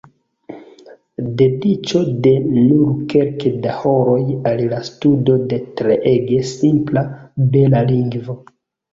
Dediĉo de nur kelke da horoj al la studo de treege simpla, bela lingvo.